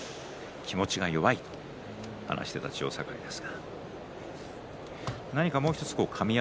気持ちが弱いと話していた千代栄です。